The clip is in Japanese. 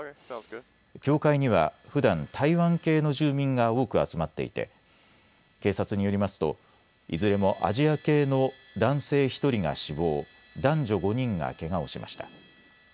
教会にはふだん台湾系の住民が多く集まっいて警察によりますといずれもアジア系の男性１人が死亡、男女５人がけがをしました。